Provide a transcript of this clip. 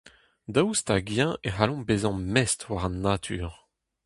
Daoust hag-eñ e c'hallomp bezañ mestr war an natur ?